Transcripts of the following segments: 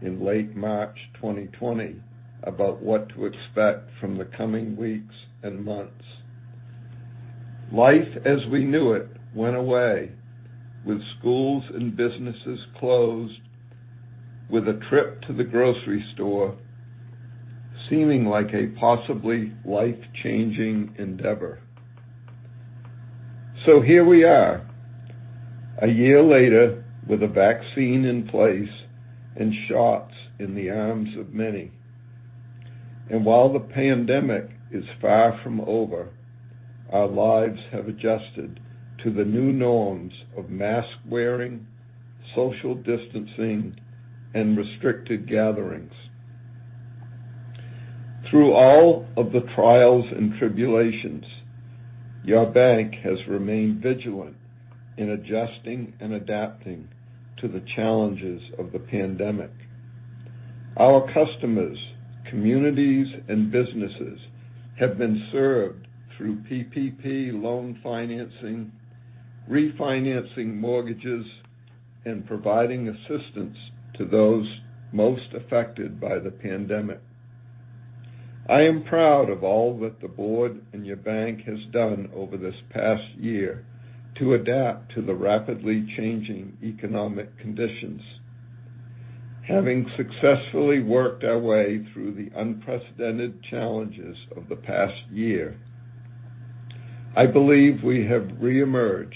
In late March 2020 about what to expect from the coming weeks and months. Life as we knew it went away with schools and businesses closed, with a trip to the grocery store seeming like a possibly life-changing endeavor. Here we are, a year later, with a vaccine in place and shots in the arms of many. While the pandemic is far from over, our lives have adjusted to the new norms of mask-wearing, social distancing, and restricted gatherings. Through all of the trials and tribulations, your bank has remained vigilant in adjusting and adapting to the challenges of the pandemic. Our customers, communities, and businesses have been served through PPP loan financing, refinancing mortgages, and providing assistance to those most affected by the pandemic. I am proud of all that the board and your bank has done over this past year to adapt to the rapidly changing economic conditions. Having successfully worked our way through the unprecedented challenges of the past year, I believe we have reemerged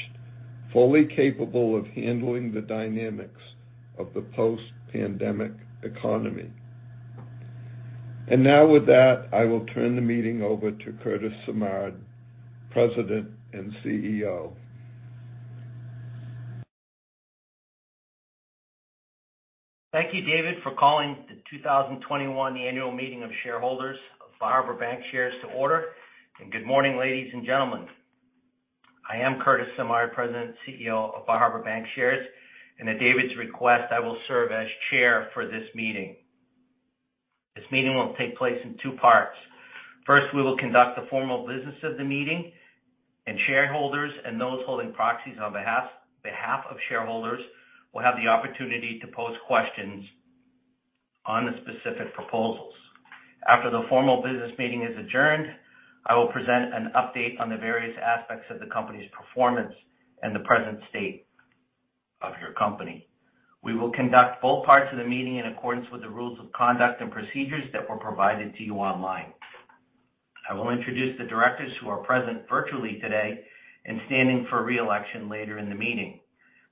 fully capable of handling the dynamics of the post-pandemic economy. Now with that, I will turn the meeting over to Curtis Simard, President and CEO. Thank you, David, for calling the 2021 annual meeting of shareholders of Bar Harbor Bankshares to order, and good morning, ladies and gentlemen. I am Curtis Simard, President and CEO of Bar Harbor Bankshares, and at David's request, I will serve as chair for this meeting. This meeting will take place in two parts. First, we will conduct the formal business of the meeting, and shareholders and those holding proxies on behalf of shareholders will have the opportunity to pose questions on the specific proposals. After the formal business meeting is adjourned, I will present an update on the various aspects of the company's performance and the present state of your company. We will conduct both parts of the meeting in accordance with the rules of conduct and procedures that were provided to you online. I will introduce the directors who are present virtually today and standing for re-election later in the meeting.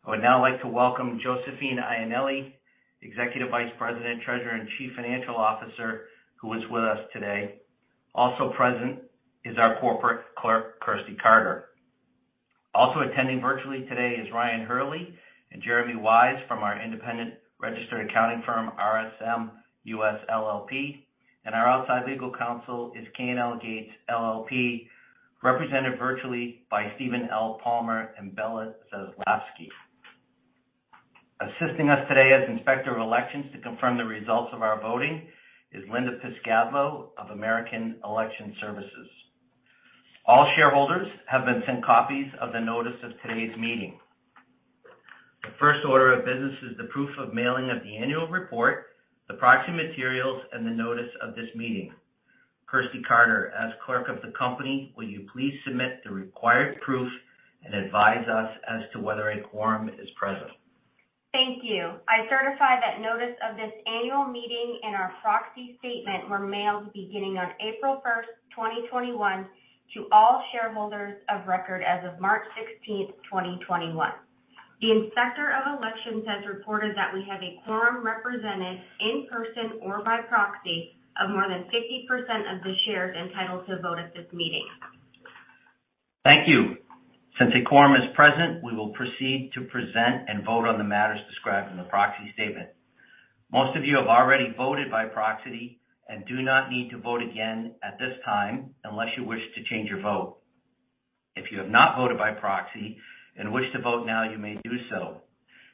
I would now like to welcome Josephine Iannelli, Executive Vice President, Treasurer, and Chief Financial Officer, who is with us today. Also present is our corporate clerk, Kirstie Carter. Also attending virtually today is Ryan Hurley and Jeremy Wise from our independent registered accounting firm, RSM US LLP, and our outside legal counsel is K&L Gates LLP, represented virtually by Stephen L. Palmer and Bella Zaslavsky. Assisting us today as Inspector of Elections to confirm the results of our voting is Linda A. Piscadlo of American Election Services. All shareholders have been sent copies of the notice of today's meeting. The first order of business is the proof of mailing of the annual report, the proxy materials, and the notice of this meeting. Kirstie Carter, as Clerk of the company, will you please submit the required proofs and advise us as to whether a quorum is present? Thank you. I certify that notice of this annual meeting and our proxy statement were mailed beginning on April 1st, 2021, to all shareholders of record as of March 16th, 2021. The Inspector of Elections has reported that we have a quorum represented in person or by proxy of more than 50% of the shares entitled to vote at this meeting. Thank you. Since a quorum is present, we will proceed to present and vote on the matters described in the proxy statement. Most of you have already voted by proxy and do not need to vote again at this time unless you wish to change your vote. If you have not voted by proxy and wish to vote now, you may do so.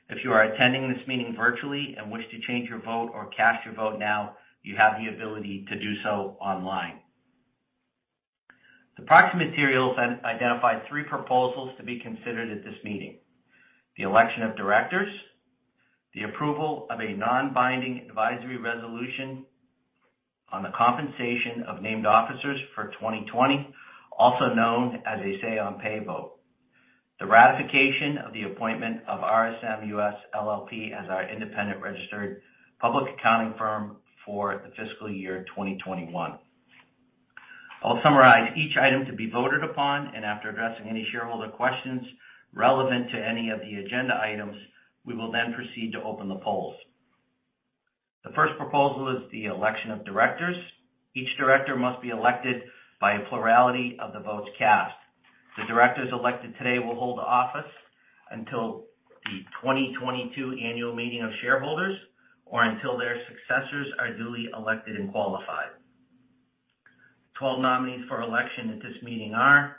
If you are attending this meeting virtually and wish to change your vote or cast your vote now, you have the ability to do so online. The proxy materials identify three proposals to be considered at this meeting. The election of directors, the approval of a non-binding advisory resolution on the compensation of named officers for 2020, also known as a say on pay vote. The ratification of the appointment of RSM US LLP as our independent registered public accounting firm for the fiscal year 2021. I'll summarize each item to be voted upon, and after addressing any shareholder questions relevant to any of the agenda items, we will then proceed to open the polls. The first proposal is the election of directors. Each director must be elected by a plurality of the votes cast. The directors elected today will hold office until the 2022 annual meeting of shareholders or until their successors are duly elected and qualified. 12 nominees for election at this meeting are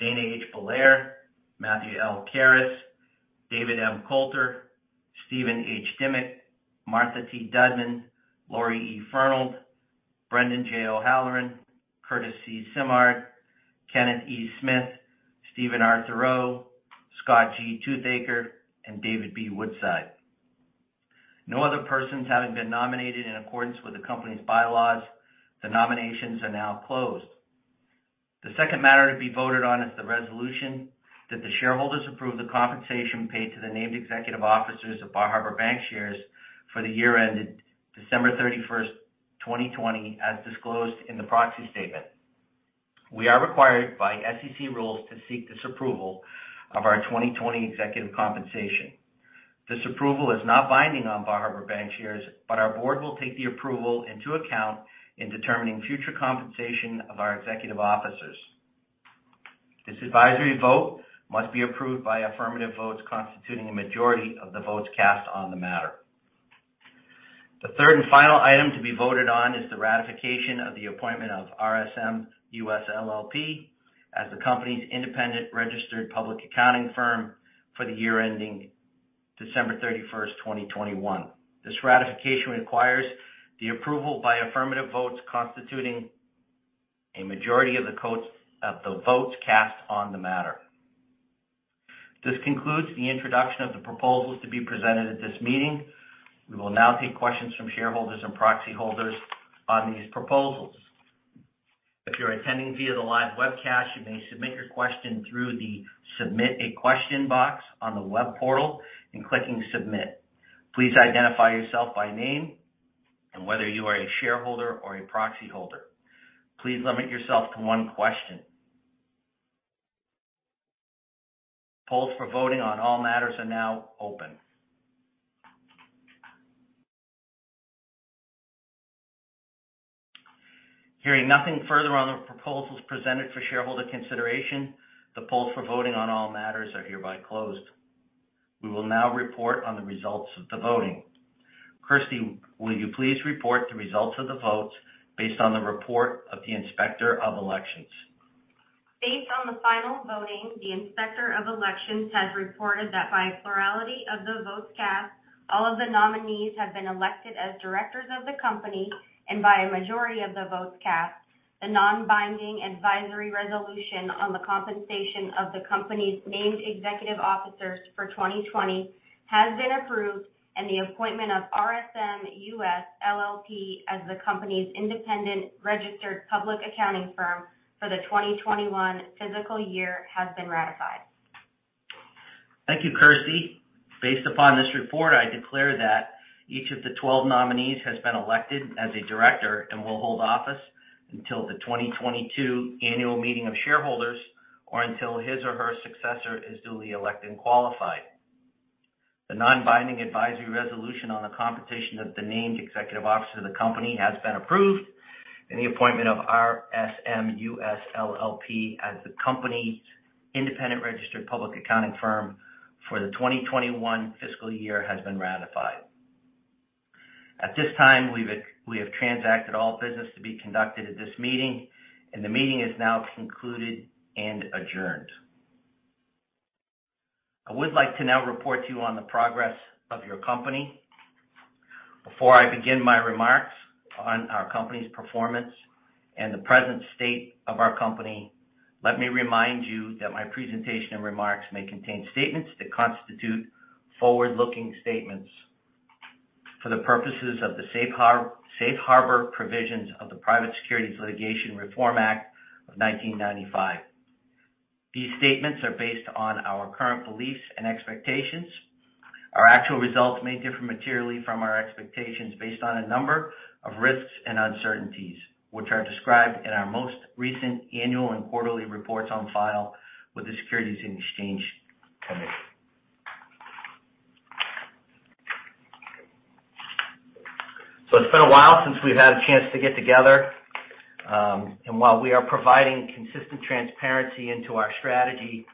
Daina H. Belair, Matthew L. Caras, David M. Colter, Steven H. Dimick, Martha T. Dudman, Lauri E. Fernald, Brendan J. O'Halloran, Curtis Simard, Kenneth E. Smith, Stephen R. Theroux, Scott G. Toothaker, and David B. Woodside. No other persons having been nominated in accordance with the company's bylaws, the nominations are now closed. The second matter to be voted on is the resolution that the shareholders approve the compensation paid to the named executive officers of Bar Harbor Bankshares for the year ended December 31st, 2020, as disclosed in the proxy statement. We are required by SEC rules to seek this approval of our 2020 executive compensation. This approval is not binding on Bar Harbor Bankshares, but our board will take the approval into account in determining future compensation of our executive officers. This advisory vote must be approved by affirmative votes constituting a majority of the votes cast on the matter. The third and final item to be voted on is the ratification of the appointment of RSM US LLP as the company's independent registered public accounting firm for the year ending December 31st, 2021. This ratification requires the approval by affirmative votes constituting a majority of the votes cast on the matter. This concludes the introduction of the proposals to be presented at this meeting. We will now take questions from shareholders and proxy holders on these proposals. If you're attending via the live webcast, you may submit your question through the Submit a Question box on the web portal and clicking submit. Please identify yourself by name and whether you are a shareholder or a proxy holder. Please limit yourself to one question. Polls for voting on all matters are now open. Hearing nothing further on the proposals presented for shareholder consideration, the polls for voting on all matters are hereby closed. We will now report on the results of the voting. Kirstie, will you please report the results of the votes based on the report of the Inspector of Elections? Based on the final voting, the Inspector of Elections has reported that by a plurality of the votes cast, all of the nominees have been elected as directors of the company and by a majority of the votes cast, the non-binding advisory resolution on the compensation of the company's named executive officers for 2020 has been approved and the appointment of RSM US LLP as the company's independent registered public accounting firm for the 2021 fiscal year has been ratified. Thank you, Kirstie. Based upon this report, I declare that each of the 12 nominees has been elected as a director and will hold office until the 2022 annual meeting of shareholders, or until his or her successor is duly elected and qualified. The non-binding advisory resolution on the compensation of the named executive officers of the company has been approved. The appointment of RSM US LLP as the company's independent registered public accounting firm for the 2021 fiscal year has been ratified. At this time, we have transacted all business to be conducted at this meeting. The meeting is now concluded and adjourned. I would like to now report to you on the progress of your company. Before I begin my remarks on our company's performance and the present state of our company, let me remind you that my presentation and remarks may contain statements that constitute forward-looking statements for the purposes of the safe harbor provisions of the Private Securities Litigation Reform Act of 1995. These statements are based on our current beliefs and expectations. Our actual results may differ materially from our expectations based on a number of risks and uncertainties, which are described in our most recent annual and quarterly reports on file with the Securities and Exchange Commission. It's been a while since we've had a chance to get together. While we are providing consistent transparency into our strategy,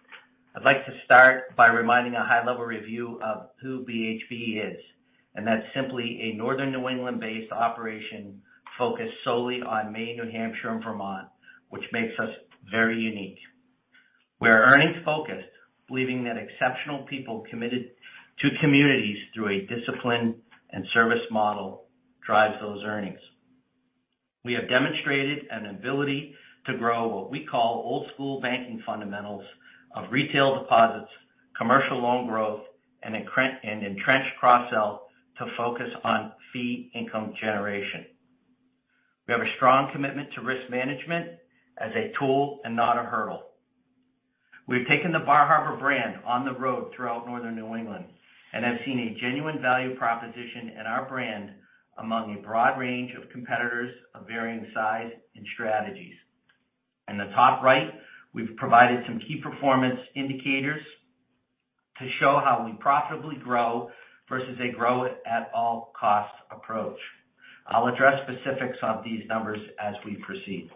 I'd like to start by reminding a high-level review of who BHB is, and that's simply a Northern New England-based operation focused solely on Maine, New Hampshire, and Vermont, which makes us very unique. We are earnings focused, believing that exceptional people committed to communities through a disciplined and service model drives those earnings. We have demonstrated an ability to grow what we call old school banking fundamentals of retail deposits, commercial loan growth, and entrenched cross-sell to focus on fee income generation. We have a strong commitment to risk management as a tool and not a hurdle. We've taken the Bar Harbor brand on the road throughout northern New England and have seen a genuine value proposition in our brand among a broad range of competitors of varying size and strategies. In the top right, we've provided some key performance indicators to show how we profitably grow versus a grow-it-at-all-costs approach. I'll address specifics on these numbers as we proceed.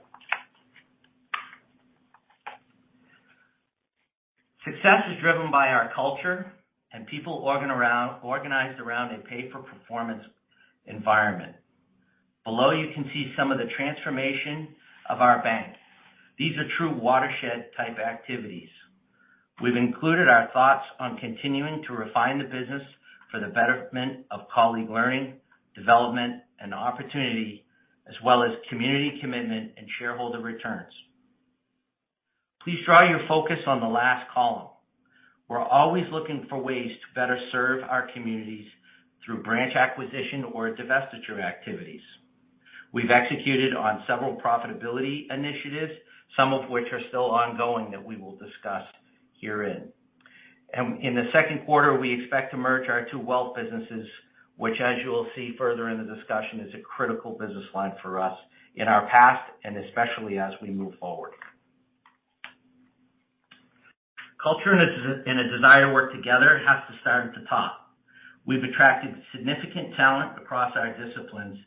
Success is driven by our culture and people organized around a pay-for-performance environment. Below, you can see some of the transformation of our banks. These are true watershed-type activities. We've included our thoughts on continuing to refine the business for the betterment of colleague learning, development, and opportunity, as well as community commitment and shareholder returns. Please draw your focus on the last column. We're always looking for ways to better serve our communities through branch acquisition or divestiture activities. We've executed on several profitability initiatives, some of which are still ongoing that we will discuss herein. In the second quarter, we expect to merge our two wealth businesses, which as you will see further in the discussion, is a critical business line for us in our past and especially as we move forward. Culture and a desire to work together has to start at the top. We've attracted significant talent across our disciplines,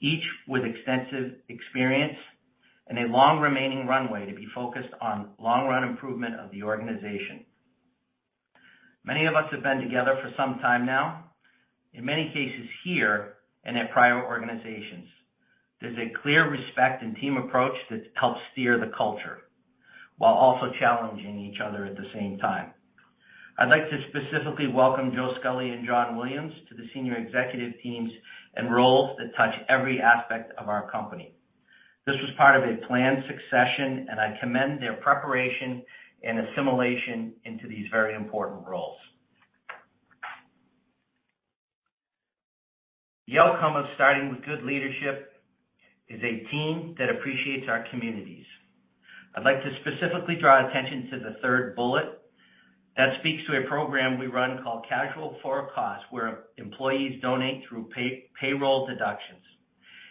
each with extensive experience and a long remaining runway to be focused on long-run improvement of the organization. Many of us have been together for some time now, in many cases here and at prior organizations. There's a clear respect and team approach that helps steer the culture while also challenging each other at the same time. I'd like to specifically welcome Joseph Scully and John Williams to the senior executive teams and roles that touch every aspect of our company. This was part of a planned succession, and I commend their preparation and assimilation into these very important roles. The outcome of starting with good leadership is a team that appreciates our communities. I'd like to specifically draw attention to the third bullet that speaks to a program we run called Casual for a Cause, where employees donate through payroll deductions.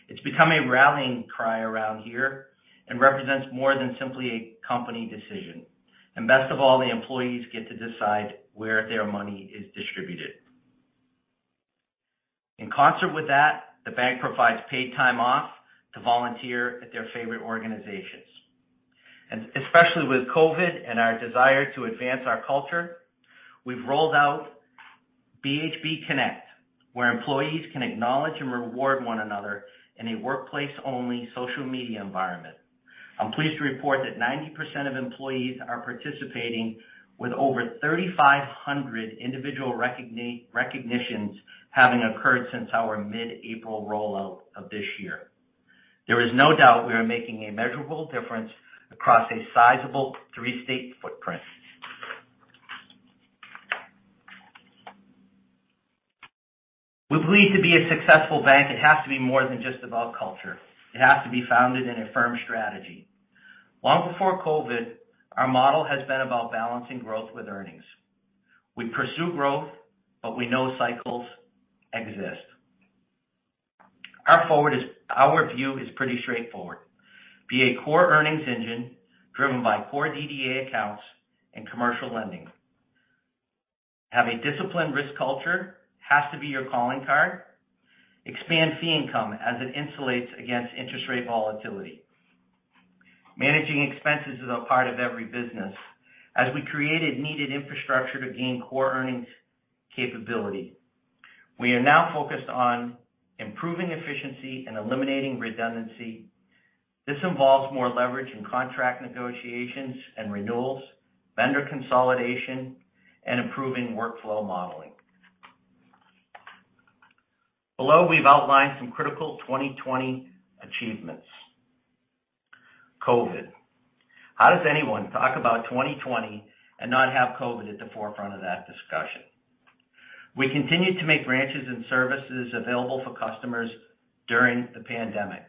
It's become a rallying cry around here and represents more than simply a company decision. Best of all, the employees get to decide where their money is distributed. In concert with that, the bank provides paid time off to volunteer at their favorite organizations. Especially with COVID and our desire to advance our culture, we've rolled out BHB Connect, where employees can acknowledge and reward one another in a workplace-only social media environment. I'm pleased to report that 90% of employees are participating with over 3,500 individual recognitions having occurred since our mid-April rollout of this year. There is no doubt we are making a measurable difference across a sizable three-state footprint. We believe to be a successful bank, it has to be more than just about culture. It has to be founded in a firm strategy. Long before COVID, our model has been about balancing growth with earnings. We pursue growth, but we know cycles exist. Our view is pretty straightforward. Be a core earnings engine driven by core DDA accounts and commercial lending. Having a disciplined risk culture has to be your calling card. Expand fee income as it insulates against interest rate volatility. Managing expenses is a part of every business. As we created needed infrastructure to gain core earnings capability, we are now focused on improving efficiency and eliminating redundancy. This involves more leverage in contract negotiations and renewals, vendor consolidation, and improving workflow modeling. Below, we've outlined some critical 2020 achievements. COVID. How does anyone talk about 2020 and not have COVID at the forefront of that discussion? We continued to make branches and services available for customers during the pandemic.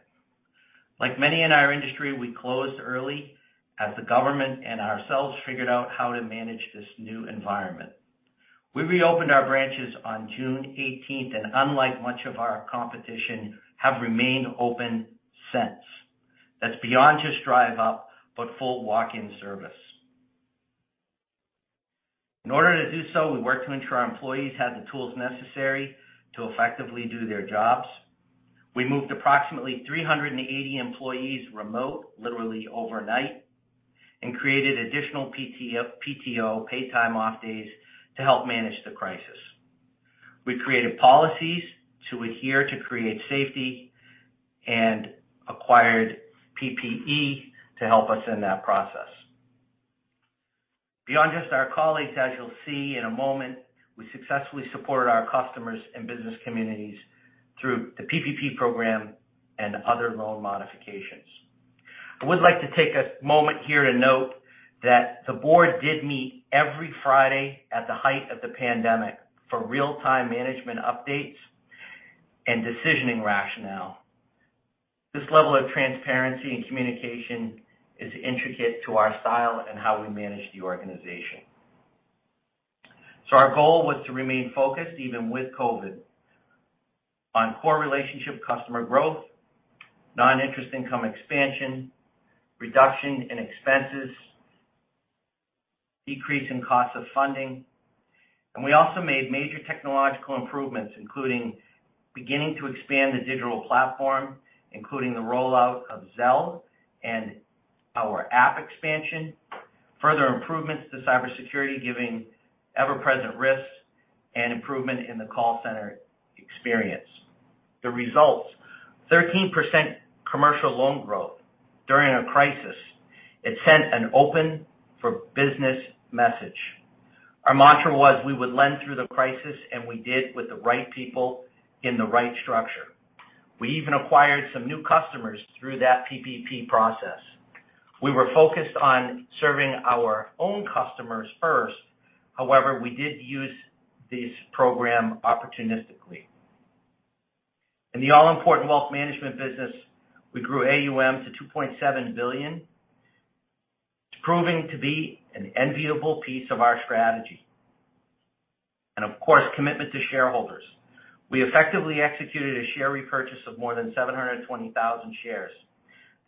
Like many in our industry, we closed early as the government and ourselves figured out how to manage this new environment. We reopened our branches on June 18th, and unlike much of our competition, have remained open since. That's beyond just drive up, but full walk-in service. In order to do so, we worked to make sure our employees had the tools necessary to effectively do their jobs. We moved approximately 380 employees remote literally overnight and created additional PTO, paid time off days, to help manage the crisis. We created policies to adhere to create safety and acquired PPE to help us in that process. Beyond just our colleagues, as you'll see in a moment, we successfully supported our customers and business communities through the PPP program and other loan modifications. I would like to take a moment here to note that the board did meet every Friday at the height of the pandemic for real-time management updates and decisioning rationale. This level of transparency and communication is intricate to our style and how we manage the organization. Our goal was to remain focused even with COVID on core relationship customer growth, non-interest income expansion, reduction in expenses, decrease in cost of funding. We also made major technological improvements, including beginning to expand the digital platform, including the rollout of Zelle and our app expansion, further improvements to cybersecurity, giving ever-present risks, and improvement in the call center experience. The results, 13% commercial loan growth during a crisis. It sent an open for business message. Our mantra was we would lend through the crisis, and we did with the right people in the right structure. We even acquired some new customers through that PPP process. We were focused on serving our own customers first. However, we did use this program opportunistically. In the all-important wealth management business, we grew AUM to $2.7 billion. It's proving to be an enviable piece of our strategy. Of course, commitment to shareholders. We effectively executed a share repurchase of more than 720,000 shares.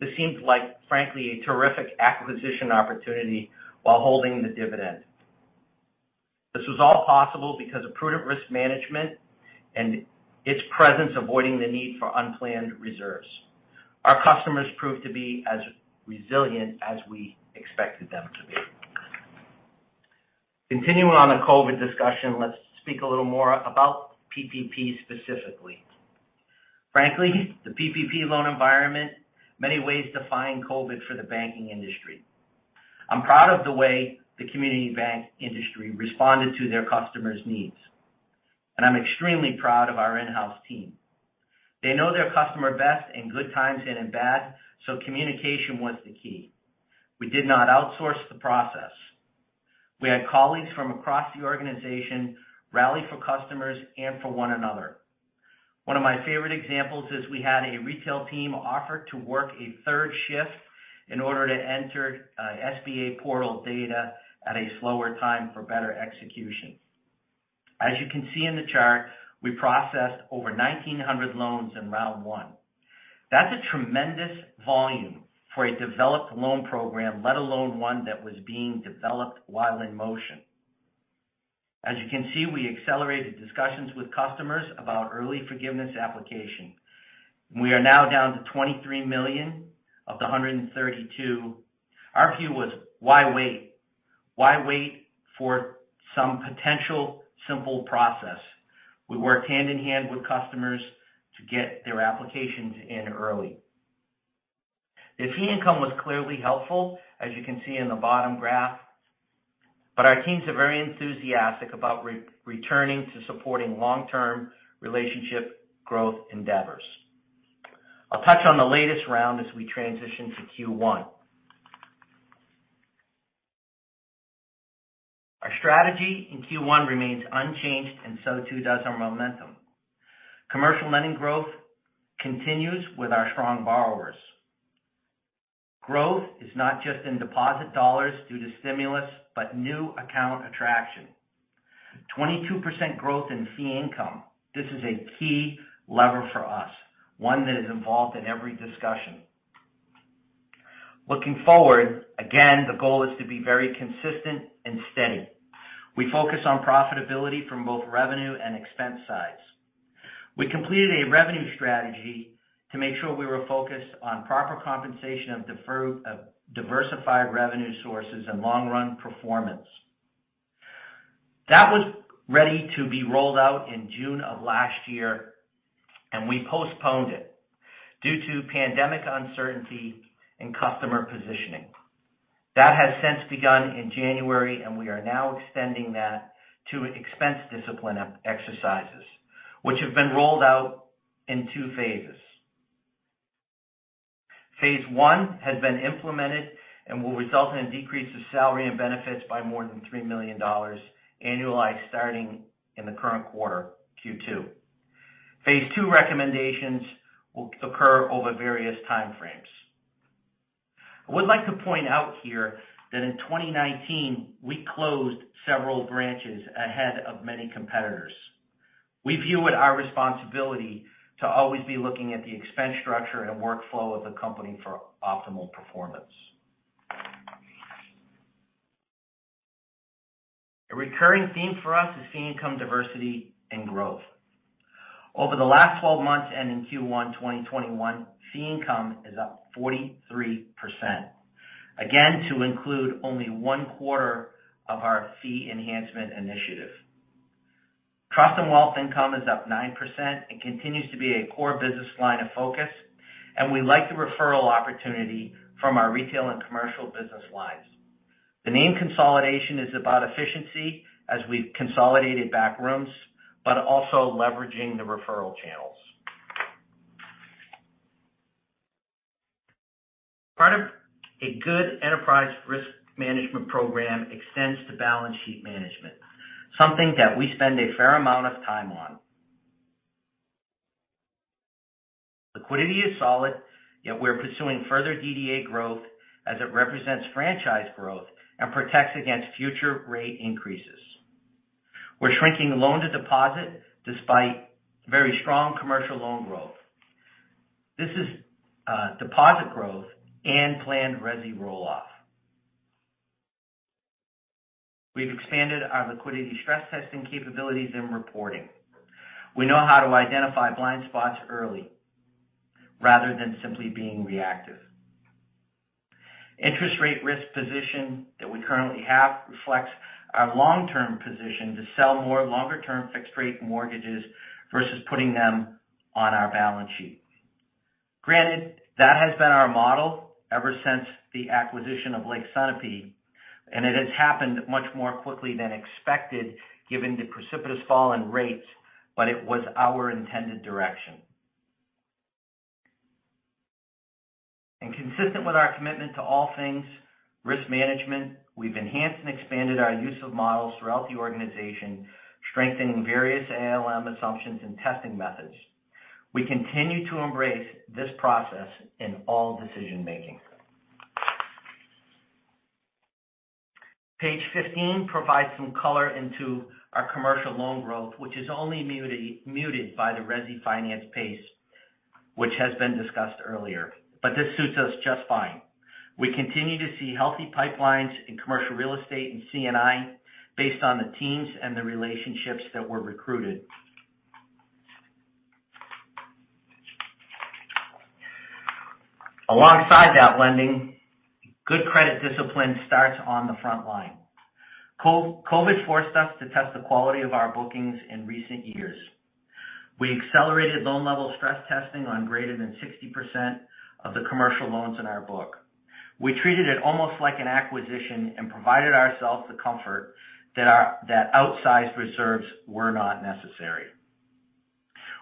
This seemed like, frankly, a terrific acquisition opportunity while holding the dividend. This was all possible because of prudent risk management and its presence avoiding the need for unplanned reserves. Our customers proved to be as resilient as we expected them to be. Continuing on the COVID discussion, let's speak a little more about PPP specifically. Frankly, the PPP loan environment, many ways defined COVID for the banking industry. I'm proud of the way the community bank industry responded to their customers' needs, and I'm extremely proud of our in-house team. They know their customer best in good times and in bad, so communication was the key. We did not outsource the process. We had colleagues from across the organization rally for customers and for one another. One of my favorite examples is we had a retail team offer to work a third shift in order to enter SBA portal data at a slower time for better execution. As you can see in the chart, we processed over 1,900 loans in round one. That's a tremendous volume for a developed loan program, let alone one that was being developed while in motion. As you can see, we accelerated discussions with customers about early forgiveness application. We are now down to $23 million of the $132. Our view was, why wait? Why wait for some potential simple process? We work hand-in-hand with customers to get their applications in early. The fee income was clearly helpful, as you can see in the bottom graph. Our teams are very enthusiastic about returning to supporting long-term relationship growth endeavors. I'll touch on the latest round as we transition to Q1. Our strategy in Q1 remains unchanged. So too does our momentum. Commercial lending growth continues with our strong borrowers. Growth is not just in deposit dollars due to stimulus, but new account attraction. 22% growth in fee income. This is a key lever for us, one that is involved in every discussion. Looking forward, again, the goal is to be very consistent and steady. We focus on profitability from both revenue and expense sides. We completed a revenue strategy to make sure we were focused on proper compensation of diversified revenue sources and long-run performance. That was ready to be rolled out in June of last year, and we postponed it due to pandemic uncertainty and customer positioning. That has since begun in January, and we are now extending that to expense discipline exercises, which have been rolled out in II phases. Phase I has been implemented and will result in a decrease of salary and benefits by more than $3 million annualized starting in the current quarter, Q2. Phase II recommendations will occur over various time frames. I would like to point out here that in 2019, we closed several branches ahead of many competitors. We view it our responsibility to always be looking at the expense structure and workflow of the company for optimal performance. A recurring theme for us is fee income diversity and growth. Over the last 12 months and in Q1 2021, fee income is up 43%, again, to include only one quarter of our fee enhancement initiative. Trust and wealth income is up 9% and continues to be a core business line of focus, and we like the referral opportunity from our retail and commercial business lines. The name consolidation is about efficiency as we've consolidated back rooms, but also leveraging the referral channels. A good enterprise risk management program extends to balance sheet management, something that we spend a fair amount of time on. Liquidity is solid, yet we're pursuing further DDA growth as it represents franchise growth and protects against future rate increases. We're shrinking loan-to-deposit despite very strong commercial loan growth. This is deposit growth and planned resi roll-off. We've expanded our liquidity stress testing capabilities and reporting. We know how to identify blind spots early rather than simply being reactive. Interest rate risk position that we currently have reflects our long-term position to sell more longer-term fixed-rate mortgages versus putting them on our balance sheet. Granted, that has been our model ever since the acquisition of Lake Sunapee, it has happened much more quickly than expected given the precipitous fall in rates, but it was our intended direction. Consistent with our commitment to all things risk management, we've enhanced and expanded our use of models throughout the organization, strengthening various ALM assumptions and testing methods. We continue to embrace this process in all decision-making. Page 15 provides some color into our commercial loan growth, which is only muted by the resi finance pace, which has been discussed earlier. This suits us just fine. We continue to see healthy pipelines in commercial real estate and C&I based on the teams and the relationships that were recruited. Alongside that lending, good credit discipline starts on the front line. COVID forced us to test the quality of our bookings in recent years. We accelerated loan-level stress testing on greater than 60% of the commercial loans in our book. We treated it almost like an acquisition and provided ourselves the comfort that outsized reserves were not necessary.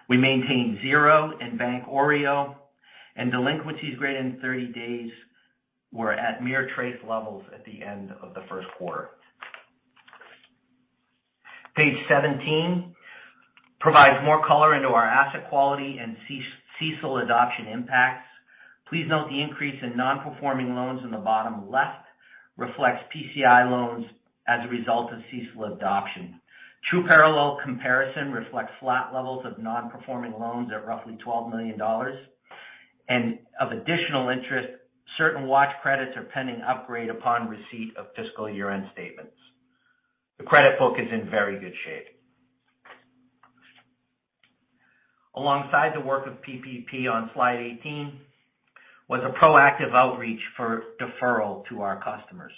We maintained zero in bank OREO, and delinquencies greater than 30 days were at mere trace levels at the end of the first quarter. Page 17 provides more color into our asset quality and CECL adoption impacts. Please note the increase in non-performing loans in the bottom left reflects PCI loans as a result of CECL adoption. True parallel comparison reflects flat levels of non-performing loans at roughly $12 million. Of additional interest, certain watch credits are pending upgrade upon receipt of fiscal year-end statements. The credit book is in very good shape. Alongside the work of PPP on slide 18 was a proactive outreach for deferral to our customers.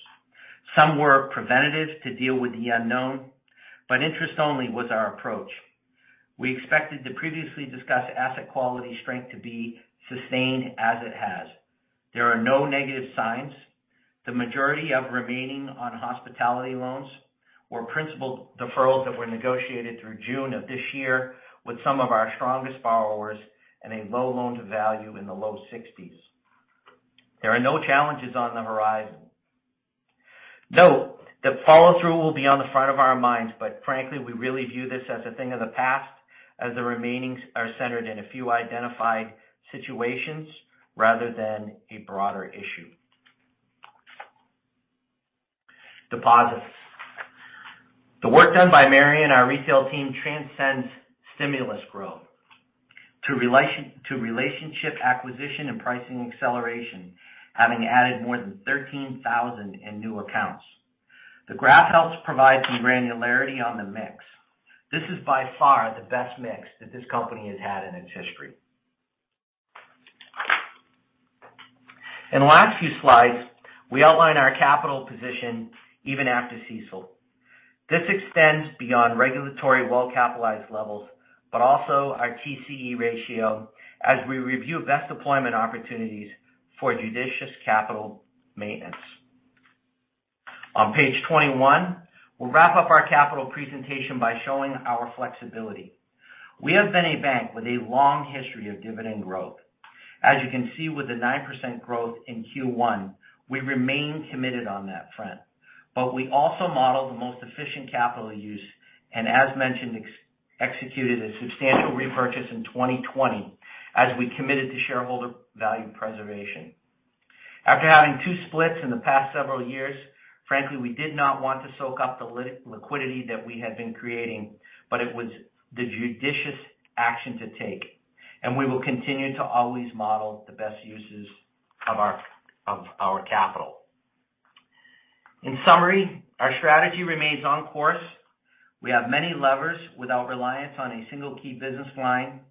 Some were preventative to deal with the unknown, but interest-only was our approach. We expected the previously discussed asset quality strength to be sustained as it has. There are no negative signs. The majority of remaining on hospitality loans were principal deferrals that were negotiated through June of this year with some of our strongest borrowers and a low loan-to-value in the low 60s. There are no challenges on the horizon. Note that follow-through will be on the front of our minds, but frankly, we really view this as a thing of the past as the remainings are centered in a few identified situations rather than a broader issue. Deposit. The work done by Marion and our retail team transcends stimulus growth through relationship acquisition and pricing acceleration, having added more than 13,000 in new accounts. The graph helps provide some granularity on the mix. This is by far the best mix that this company has had in its history. In the last few slides, we outline our capital position even after CECL. This extends beyond regulatory well-capitalized levels, but also our TCE ratio as we review best deployment opportunities for judicious capital maintenance. On page 21, we'll wrap up our capital presentation by showing our flexibility. We have been a bank with a long history of dividend growth. As you can see with the 9% growth in Q1, we remain committed on that front. We also model the most efficient capital use, and as mentioned, executed a substantial repurchase in 2020 as we committed to shareholder value preservation. After having two splits in the past several years, frankly, we did not want to soak up the liquidity that we had been creating, but it was the judicious action to take, and we will continue to always model the best uses of our capital. In summary, our strategy remains on course. We have many levers without reliance on a single key business line.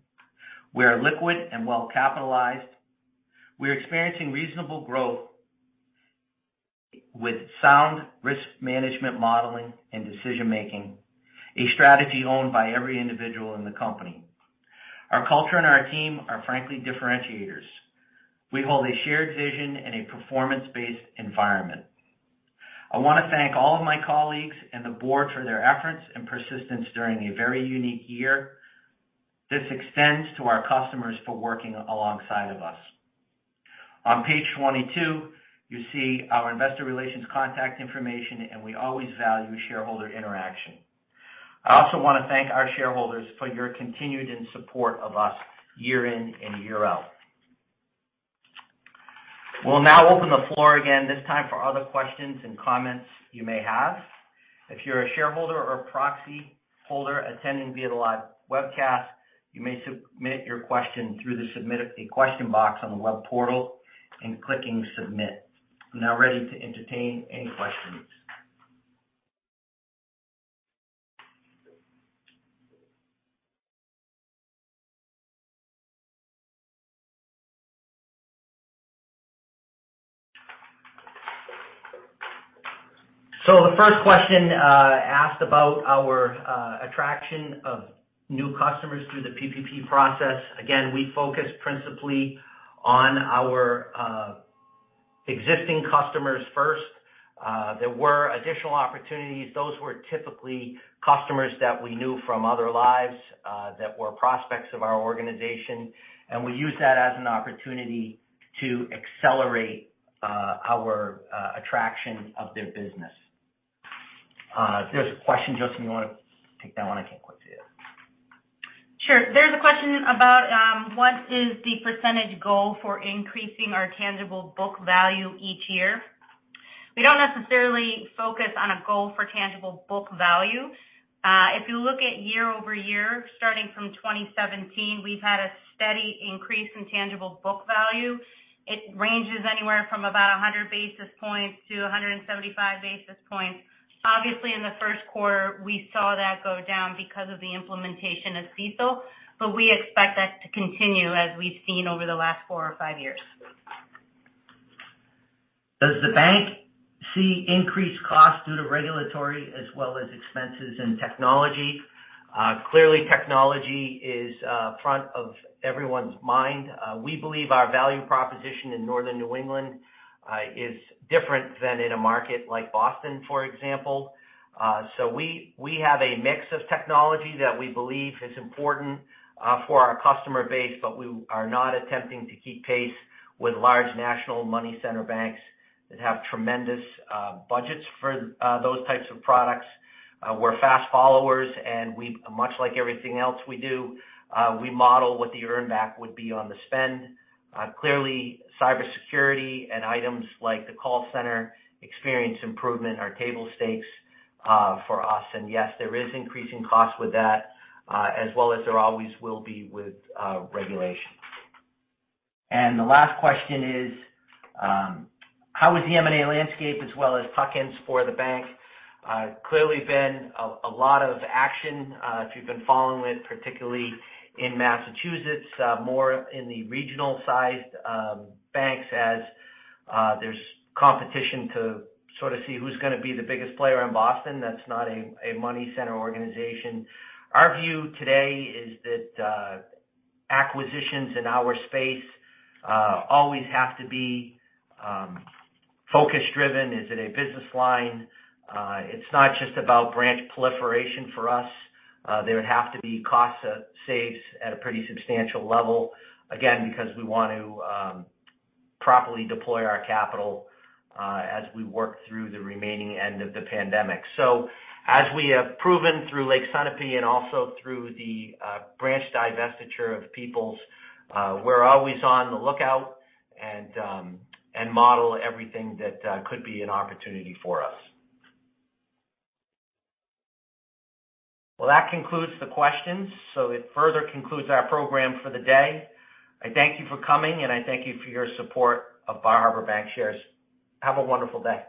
We are liquid and well-capitalized. We are experiencing reasonable growth with sound risk management modeling and decision-making, a strategy owned by every individual in the company. Our culture and our team are frankly differentiators. We hold a shared vision in a performance-based environment. I want to thank all of my colleagues and the board for their efforts and persistence during a very unique year. This extends to our customers for working alongside of us. On page 22, you see our investor relations contact information, and we always value shareholder interaction. I also want to thank our shareholders for your continued and support of us year in and year out. We'll now open the floor again, this time for other questions and comments you may have. If you're a shareholder or proxy holder attending via the live webcast, you may submit your question through the Submit a Question box on the web portal and clicking Submit. I'm now ready to entertain any questions. The first question asked about our attraction of new customers through the PPP process. Again, we focused principally on our existing customers first. There were additional opportunities. Those were typically customers that we knew from other lives that were prospects of our organization, and we used that as an opportunity to accelerate our attraction of their business. If there's a question, Josephine you want to take that one? I think we're good. Sure. There's a question about what is the percentage goal for increasing our tangible book value each year. We don't necessarily focus on a goal for tangible book value. If you look at year-over-year, starting from 2017, we've had a steady increase in tangible book value. It ranges anywhere from about 100 basis points to 175 basis points. Obviously, in the first quarter, we saw that go down because of the implementation of CECL, but we expect that to continue as we've seen over the last four or five years. Does the bank see increased costs due to regulatory as well as expenses in technology? Clearly, technology is front of everyone's mind. We believe our value proposition in Northern New England is different than in a market like Boston, for example. We have a mix of technology that we believe is important for our customer base, but we are not attempting to keep pace with large national money center banks that have tremendous budgets for those types of products. We're fast followers, and much like everything else we do, we model what the earn back would be on the spend. Clearly, cybersecurity and items like the call center experience improvement are table stakes for us. Yes, there is increasing cost with that, as well as there always will be with regulation. The last question is, how is the M&A landscape as well as tuck-ins for the bank? Clearly been a lot of action, if you've been following it, particularly in Massachusetts, more in the regional-sized banks as there's competition to sort of see who's going to be the biggest player in Boston that's not a money center organization. Our view today is that acquisitions in our space always have to be focus-driven. Is it a business line? It's not just about branch proliferation for us. There would have to be cost saves at a pretty substantial level, again, because we want to properly deploy our capital as we work through the remaining end of the pandemic. As we have proven through Lake Sunapee and also through the branch divestiture of People's, we're always on the lookout and model everything that could be an opportunity for us. That concludes the questions. It further concludes our program for the day. I thank you for coming, and I thank you for your support of Bar Harbor Bankshares. Have a wonderful day.